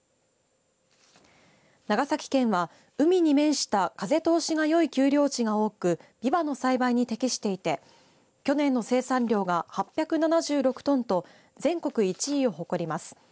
長崎県は海に面した風通しがよい丘陵地が多くびわの栽培に適していて去年の生産量が８７６トンと全国１位を誇ります。